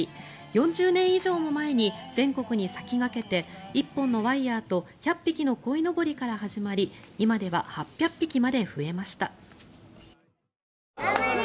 ４０年以上も前に全国に先駆けて１本のワイヤと１００匹のこいのぼりから始まり今では８００匹まで増えました。